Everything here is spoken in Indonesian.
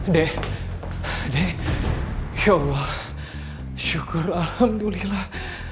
deh ya allah syukur alhamdulillah